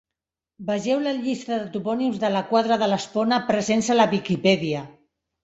Vegeu la llista de Topònims de la quadra de l'Espona presents a la Viquipèdia.